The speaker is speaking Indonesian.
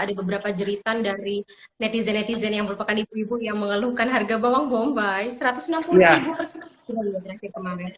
ada beberapa jeritan dari netizen netizen yang merupakan ibu ibu yang mengeluhkan harga bawang bombay